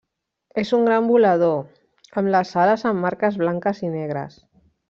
És un gran volador, amb les ales amb marques blanques i negres.